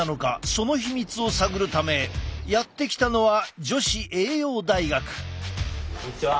その秘密を探るためやって来たのはこんにちは。